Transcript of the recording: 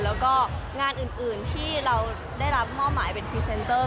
แล้วก็งานอื่นที่เราได้รับมอบหมายเป็นพรีเซนเตอร์